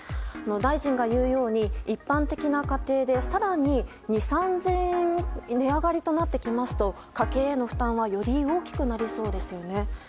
大臣言うように一般的な家庭で更に２０００３０００円値上がりとなってきますと家計への負担はより大きくなりそうですよね。